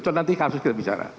nanti kasus kita bicara